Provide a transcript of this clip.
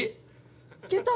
いけた？